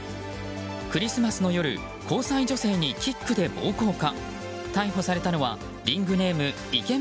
クリスマスの夜交際女性にキックで暴行か。